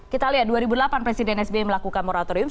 kita lihat dua ribu delapan presiden sbi melakukan moratorium